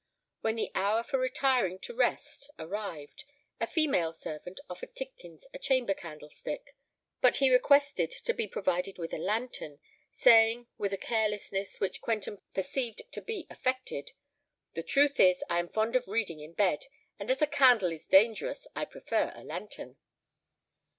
When the hour for retiring to rest arrived, a female servant offered Tidkins a chamber candlestick; but he requested to be provided with a lantern, saying with a carelessness which Quentin perceived to be affected, "The truth is, I'm fond of reading in bed; and as a candle is dangerous, I prefer a lantern."